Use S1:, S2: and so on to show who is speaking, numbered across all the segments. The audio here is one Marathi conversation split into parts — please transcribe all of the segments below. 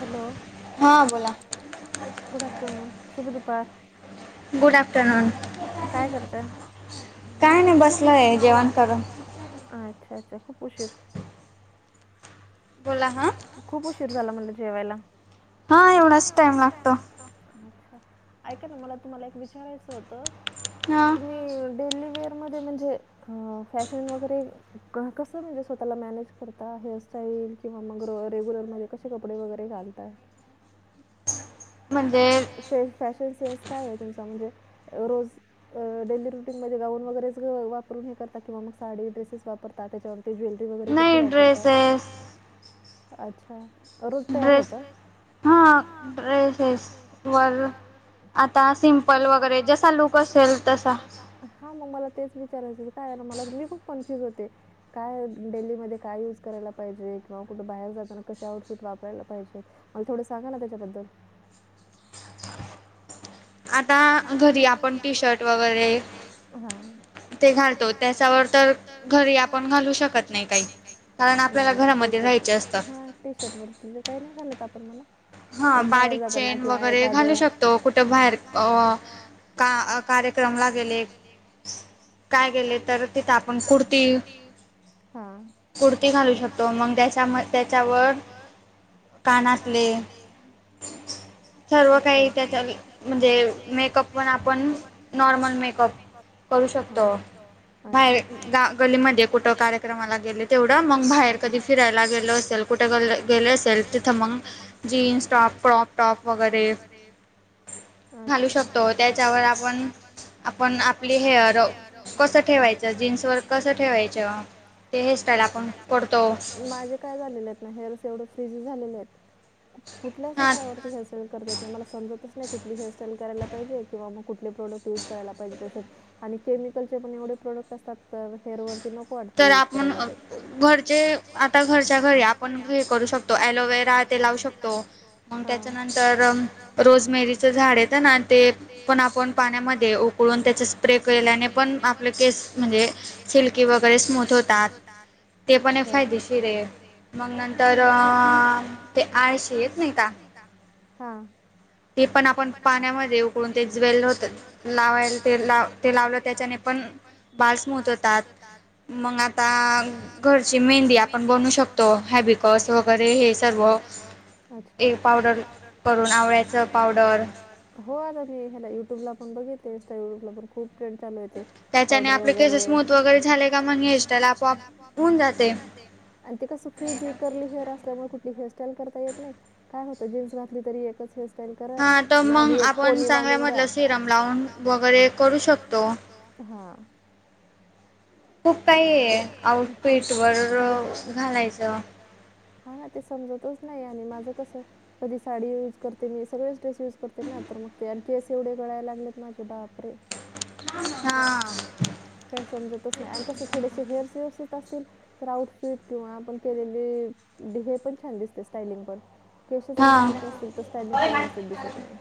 S1: हॅलो, गुड आफ्टरनून, शुभ दुपार. गुड आफ्टरनून, काय करताय.
S2: काय नाही, बसलोय, जेवण करून.
S1: अच्छा- अच्छा खूप उशीर.
S2: बोला हां.
S1: खूप उशीर झाला मला जेवायला, हा एवढच टाइम. अच्छा ऐका ना, मला तुम्हाला, एक विचारायचं होतं.
S2: ह..
S1: तुम्ही डेलीवेअरमध्ये म्हणजे अ फॅशन वगैरे कस, म्हणजे स्वतःला मॅनेज करता. हेअरस्टाईल. किंवा मग रेग्युलर मध्ये, कसे कपडे वगैर घालतात? फॅशन सेन्स काय आहे, तुमचा म्हणजे रोज? डेली रुटीनमध्ये, गाऊन वगैरेच वापरता, किंवा मग साडी, ड्रेसेस वापरता, त्याच्यावरती ज्वेल? [unintelligible] कुठली वापरता? अच्छा रोज तयार होतात.
S2: हा
S1: ्रेसेस वर आता सिंपल वगैरे जसा लुक असेल तसा हा मग मला तेच विचारायचं काय ना मला मी पण कन्फ्युज होते. काय डेलीमध्ये काय यूज करायला पाहिजे किंवा कुठं बाहेर जाताना कशा आउटफुट वापरायला पाहिजेत. मला थोडं सांगा ना? त्याच्याबद्दल. आता घरी, आपण टी -शर्ट वगैरे.
S2: ते घालतो त्याच्यावर, तर घरी आपण घालू शकत नाही काही. कारण, आपल्याला घरामध्ये राहायचे असतात.
S1: टी -शर्ट वरती काही नाही घालत आपण म्हणा. पण बाहेर जातना, किंवा एखादा घालू शकतो, कुठ बाहेर अ, का, कार्यक्रम ला गेले. काय गेले तर तिथं आपण कुर्ती ह
S2: कुर्ती घालू शकतो मग त्याच्या म त्याच्यावर
S1: काणातले
S2: सर्व काही त्याच्या म्हणजे
S1: मेकअप पण आपण नॉर्मल मेकअप
S2: करू शकतो बाहेर गा गलीमध्ये कुठं कार्यक्रमाला गेले तेवढं मग बाहेर कधी फिरायला गेल असेल कुठे ग गेले असेल तिथं मग जीन्स टॉप कॉप टॉप वगैरे
S1: [unintelligible] अच्छा घालू शकतो त्याच्यावर आपण आपण आपली हेअर कस ठेवा जन् वर कस ठेवाय हेराई आपणो माझे काय झाले हेअर्स तेवढ फ्रिजी झालेले आहेत कुठच्यावर स करतेत नाही मला समजतच नाही कुठ ह हेअरस्ाईल करायला पाहिजे कंवा मग कुठ प्रोडक्ट युज करायला पाहिजे स आणि केमिकलचे पण एवढे प्रोडक्ट असतात तर हेअर वरती न
S2: तर आपण घरचे आता घरच्या घरी आपण हे करू शकतो. त अलोवेरा ते लावू शकतो मग त्याच्यानंतर रोजमेरी च झाड येतं ना ते पण आपण पाण्यामध्ये उकळून त्याच स्प्रे केल्याने पण आपलं केस म्हणजे सिल्की वगैरे स्मथ होतात ते पण फायदेशीर आहे मग नंतर आळशी येत नाही का?
S1: हा
S2: ते पण आपण पाण्यामध्ये उकडून ते ज्वेल होत लावायला ते ला ते लावलं त्याच्याने पण बाल स्मूथ होतात. मग आता घरची मेहंदी आपण बनवू शकतो हॅबिकस वगैरे हे सर्व
S1: अच्छा एक पावडर करून आवळ्या हो आ मी ह युट्यूबला पण बघित इंस्टा युट्यबला पण ूप ट्रेड चालू ये पावडर वगैरे स्थ वगैरे झाले मल आपोआ होन जे आणि त का सुफ्रीजी कर्ली हेअर असल्यामुळे कुठली हेअरस्टाईल करता येत नाही. काय होतं जीन्स घातली तरी एकच हेअरस्टाईल मागे एकोणी बधून द सिरम लावून वगैरे करू शकतो हा. खूप काही आहे पीठ वर घालायचं. हा ना ते समजतच नाही आणि माझं कसं कधी साडी युज करते मी सगळे य कर ना तर मग तेेस एवढे गळाला लागलेत माझे बापरे
S2: हा [unintelligible]
S1: काय समजतच नाही आणि कसं थोडेसे हेअर्स व्यवस्थित असतील. तर आउटफिट किंवा आपण केलेली हे पण छान दिसते स्टायलिंग पण. केशस व्यवस्थित असतील तर स्टायलिंग पण व्यवस्थित दिसत नाही.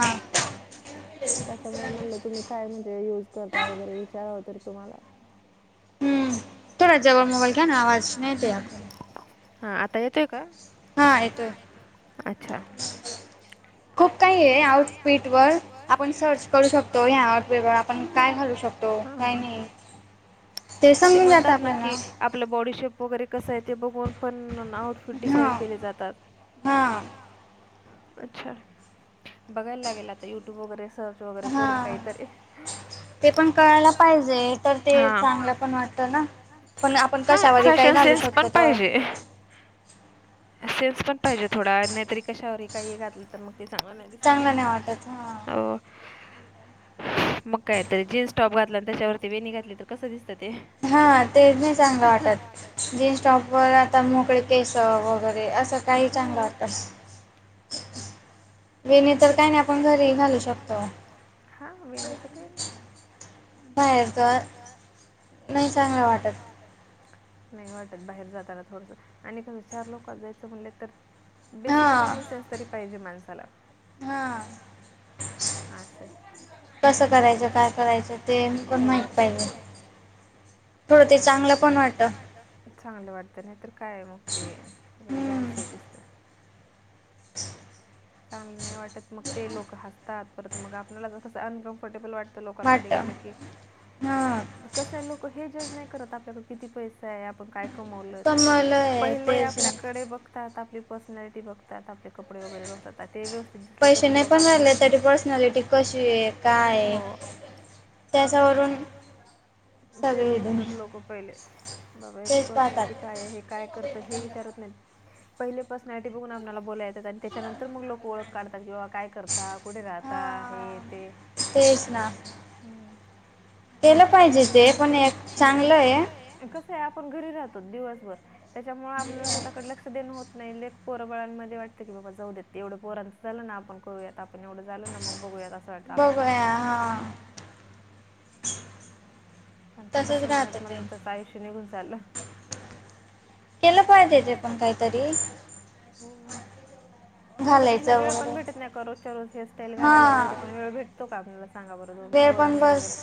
S1: हा, हा, त्यामुळे म्हणलं तुम्ही काय म्हणजे युज करता वगैरे विचारा तरी तुम्हाला
S2: हम् थोड ज्यावरल मोबाईल का ना आवाज नाही येते.
S1: हा आता येतोय का अच्छा. खूप काही आहे आउटपीड वर आपण सर्च करू शकतो, या आउटपीड वर आपण काय घालू शकतो. हा ते म्हणतात ना की, आपलं बॉडी शेप वगैरे कसं आहे ते बघून पण आऊट फूट डिसाइड केले जातात. अच्छा, बघायला लागेल आता युट्यूब वगैरे सर्च वगरे करून काय तरी हा फॅशन सेन्स पण पाहिजे. ए सेल्स पण पाहिजे थोडा नाहीतरी कशावर ही काही घातलं तर मग ते चांगलं नाही चांगल नाही वाटत. हो मग कायतरी जीन्स टॉप घातला आणि त्याच्यावरती वेणी घातली तर कसं दिसत ते
S2: हा ते नाही चांगलं वाटत, जीन्स टॉपवर आता मोकळे केस वगैरे असं काही चांगलं वाटस वेणी तर काही नाही आपण घरी घालू शकतो.
S1: हां वेणीचं काय
S2: बाहेरत नाही चांगलं वाटत.
S1: नाही वाटत बाहेर जाताना थोडस आणिकसं चार लोकात जायचं म्हणले तर, बेसिक कॉमन सेन्स तरी पाहिजे माणसाला.
S2: हा
S1: आसय
S2: कसं करायचं काय करायचं ते पण माहित पाहिजे. थोडं ते चांगलं पण वाटत.
S1: चांगलं वाटतं नाही तर काय मग ते एकदमच हे दिसतं. चांगलं वाटत मग ते लोक हसतात परत मग आपल्यालां अनकम्फर्टेबल वाटत. लोकांमध्ये गेलं की कसं आहे लोक हे जज नाही करत आपल्याकडे किती पैसा आहे, आपण काय कमलवत पहिले आपल्याकडे बघ ात आपली पर्सनॅलिटी बघतात आपले कपडे वगैरे बघतात ते व्य दिले तर मग त्या पर्सनॅलिटी कशीये, काय
S2: त्याच्यावरून
S1: तेच बघतात लोक पहिले, बाबा याची पर्सनॅलिटी काय आहे? हे काय करत हे विचारत नाहीत, पहिले पर्सनॅलिटी बघून आपल्याला बोलायला येतात, आणि त्याच्या नंतर मग लोक बोलाय कडतात किंवा काय करता, कुठे राहता? हे ते
S2: केलं पाहिजे ते पण एक चांगलंय
S1: कसंय आपण घरी राहतो दिवसभर त्याच्यामुळे, आपल स्वतःकडे लक्ष देण होत नाही, पोरबाळांमध्ये वाटतं की बाबा जाऊ देत तेवढं पोरांचं झालं ना आपण करूयात आपण एवढं झाल ना मग बघूयात,
S2: बघया, हा
S1: पण ते तसं म्हणत म्हण त्याचं आयुष्य निघून चाललं केला पाहित येते पण काहीतरी, हो तेवढं राहाला वेळण भेटत नाही कि रोजच्या रोज हेअरटाईल घालायला वगैरे प वेळ भेतो का? आपला सांगा बरं रोज पोरांचं वगैरे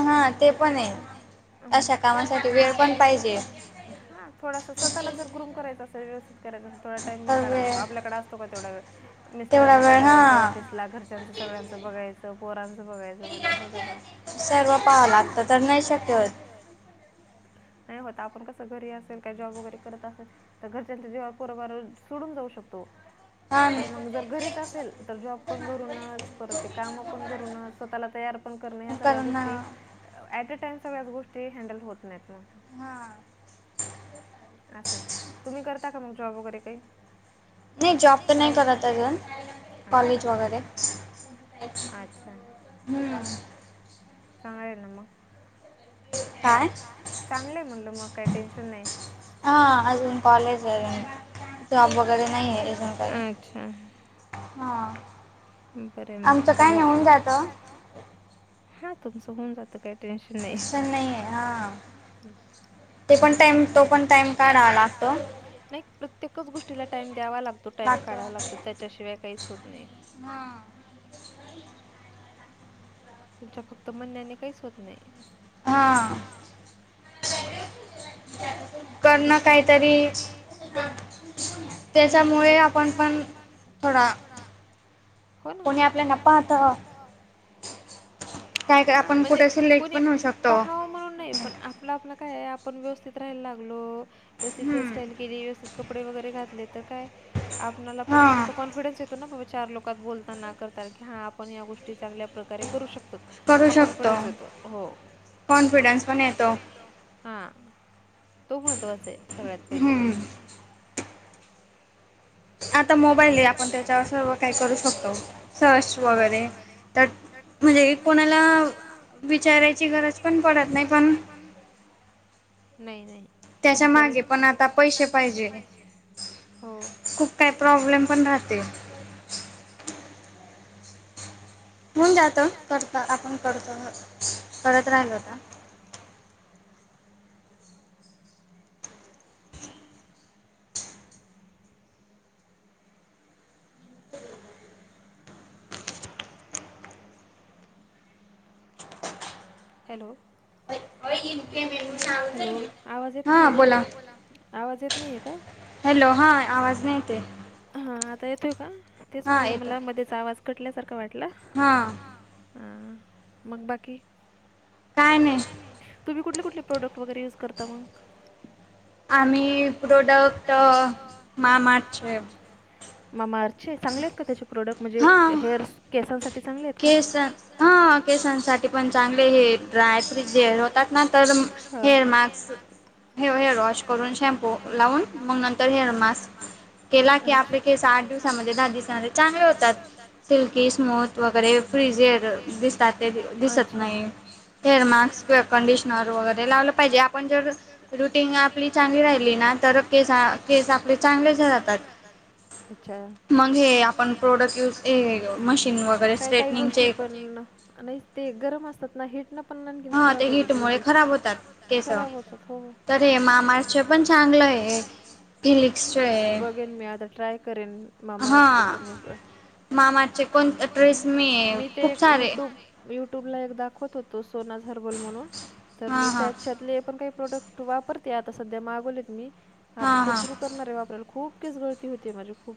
S1: वेळ पण हा ते पण आहे अशा कामासाठी वेळ पण पाहिजे. थोडासा स्वःला जर ग्रम करायं असल व्यस्थित कराय असल ोाम पण काायला अस आपकडे असतो का तेवढा वेळ मिस्टरांना पाठवायचं ऑफिसला, घरच्यांच सगळ्यांचं बघायचं, पोरांचं बघायचं, म्हनल्यावर होतं का?
S2: सर्व पाहावं लागत, तर नही शक्य होत.
S1: नाही होत, आपण कस घरी असेल काय जॉब वगैरे करत असल, त घरच्यांच्या जीवावर पोर बार सोडून जाऊ शकतो. पण मग जर घरीच असेल तर जॉब पण घरूनच परत ते काम पण घरूनच, स्वतःला तयार पण करने ह्या सगळ्या गोष्टी ऍटे टाईम सगळ्याच गोष्टी हँडल होत नाहीत ना.
S2: हा!
S1: असय तुम्ही करता का मग जॉब वगैरे काही? नही जॉब त नाही करत आजून अच्छा कॉलेज वगैरे. अच्छा!
S2: हूं!
S1: चांगलं आहे ना म. चांगलंय म्हणल मग काय टेन्शन नाही.
S2: हा अजून कॉलेज आहे, जॉब वगैरे नाही हे अजून काही. हा आमचं काय नाही होऊन जात.
S1: हा तुमचं होऊन जात काही टेन्शन नाही. ते पण टाईम, तो पण टाइम काढावा लागतो नही प्रत्येकच गोष्टीला टाइम द्यावा लागतो. टाइम काढावा लागतो, त्याच्याशिवाय काहीच होत नाही.
S2: हा!
S1: तुमच्या फक्त म्हणण्याने काहीच होत नाही.
S2: हां! कर न काहीतरी? त्याच्यामुळे आपण पण थोडा कोणी आपल्याना पाहत?
S1: हा म्हणजे कोणी पहावं म्हणून नाही. पण आपलं, आपल काय ये आपण व्यवस्थित राहायला लागलो व्यवस्थित हेअरस्टाईल केलेली असती कपडे वैगरे घातले तर काय, आपनाला पण थोडासा कॉन्फिडन्स ये तो ना चार लोकात बोलताना करता की हा आपण या गो ष्टी चांगल्या प्रकारे करू शकतो, हा कॉन्फिडन्स येतो हो.
S2: कॉन्फिडन्स पण येतो.
S1: हा तो महत्वाचा आहे सगळ्यात पहिले तर.
S2: आता मोबाईल हे आपण त्याच्यावर सर्व काही करू शकतो सर्च वगैरे तर
S1: तर म्हणजे कोणाला विचारायची गरज पण पडत नाही पण नही-नही. त्याच्या मागे पण आता पैसे पाहिजे हो.
S2: काय प्रॉब्लेम पण राहते?
S1: [inaudible]
S2: होऊन जात करता, आपण करतो, करत राहिलो त.
S1: [inaudible] [inaudible] हॅलो! हॅलो आवाज येत नाहीये का, आवाज येत नाहीे का?
S2: हॅलो हा आवाज नाही येत ये.
S1: हा आता येतोय का, तेच म्हणलं मला मध्येच आवाज कटल्यासारखा वाटला.
S2: हा.
S1: अ मग बाकी.
S2: काय नाही.
S1: तुम्ही कुठले कुठले प्रोडक्ट वगैरे यूज करता मग?
S2: आम्ही प्रोडक्ट मामार्थचे.
S1: मामार्थचे चांगले आहेत का त्याचे प्रोडक्ट म्हणजे हेअर. केसां साठी चांगले आहेत का केस हा केसांसाठी पण चांगले हे होतात हेअर मास्.
S2: हे हेअर वॉश करून शॅम्पू लावून मग नंतर हेअर मास्क केला की आपले. केस आठ दिवसामध्ये दहा दिवसामध्ये चांगले होतात सिल्की स्मूथ. वगैरे फ्रीजेअर दिसतात ते दिसत नाही हेअर मास्क. कंडिशनर वगैरे लावलं पाहिजे आपण जर रुटीन आपली चांगली राहिली ना तर केस.
S1: केस आपले चांगले जातात. अच्छा मग हे आपण प्रोडक्ट यूज केले. काय काही गोष्टी पण ना नाही ते गरम असतात ना हिट ना पण आणखीन खराब. त्यामुळे खराब होतात खराब होतात हो ते मामार्थच पण चांगलं आहे. बघेन मी आता ट्राय करेन मामारचे पण याकडे. मामार्थ चे कोणते मी ते युट्यूब. युट्यूबला एक दाखवत होतो सोनाज हरबल म्हणून तर मी त्याच्यात पण का. प्रोडक्ट वापरते आता सध्या मागवलेत मी आता ते सुरू. करणारे वापरायला खूप केस गळती होती माझी खूप.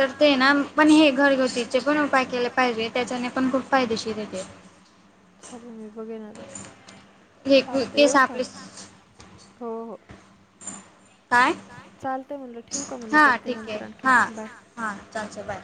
S1: हा तर ते ना पण हे घरगुतीचे पण उपाय केले पाहिजे त्याच्याने पण खूप फायदेशीरले. चालं मी बघेन आ तर चालत येऊ का हो हो. चालतय मुणलं ठेव का मुलं करते नंतर आणखी बाय.
S2: हां चालचं बाय.